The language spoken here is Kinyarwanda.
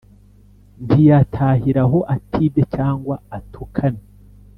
Ntiyatahira aho atibye cyangwa atukane